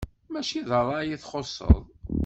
Mačči d ṛṛay i txuṣṣeḍ.